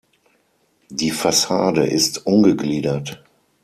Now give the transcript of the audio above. Die Fassade ist ungegliedert.